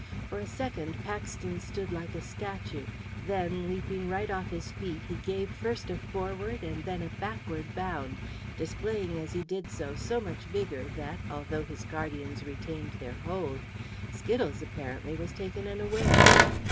For a second Paxton stood like a statue; then, leaping right off his feet, he gave first a forward and then a backward bound, displaying as he did so so much vigour that, although his guardians retained their hold, Skittles, apparently, was taken unawares.